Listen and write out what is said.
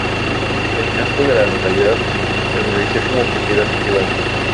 El casco de la localidad permaneció como propiedad privada.